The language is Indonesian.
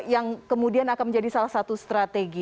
yang kemudian akan menjadi salah satu strategi